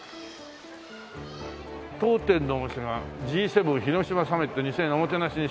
「当店のお茶がＧ７広島サミット２０２３のおもてなしに使用」